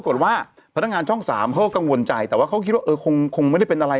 เขามันจะงงว่าเป็นคุณรึเปล่า